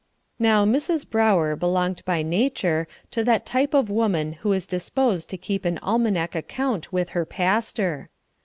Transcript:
Now Mrs. Brower belonged by nature to that type of woman who is disposed to keep an almanac account with her pastor.